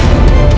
aku tidak mau